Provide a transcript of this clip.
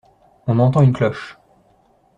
On entend une cloche.